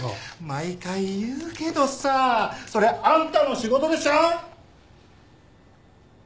毎回言うけどさあそれはあんたの仕事でしょう！